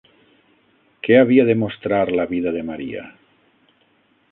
Què havia de mostrar la vida de Maria?